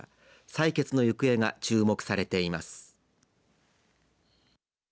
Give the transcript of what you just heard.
採決の行方が注目されています。